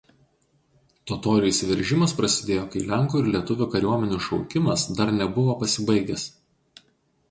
Totorių įsiveržimas prasidėjo kai lenkų ir lietuvių kariuomenių šaukimas dar nebuvo pasibaigęs.